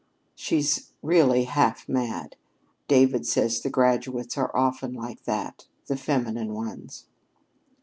"She's really half mad. David says the graduates are often like that the feminine ones."